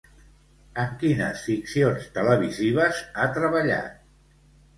En quines ficcions televisives ha treballat?